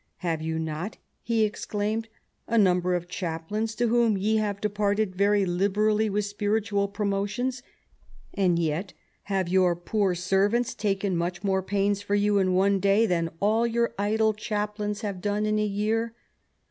"Have you not," he exclaimed, "a number of chaplains, to whom ye have departed very liberally with spiritual promotions? and yet have your poor servants taken much more pains for you in one day than all your idle chaplains have done in a year.